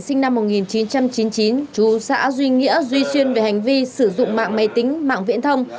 sinh năm một nghìn chín trăm chín mươi chín chú xã duy nghĩa duy xuyên về hành vi sử dụng mạng máy tính mạng viễn thông